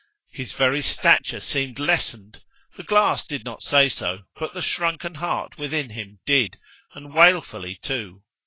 His very stature seemed lessened. The glass did not say so, but the shrunken heart within him did, and wailfully too.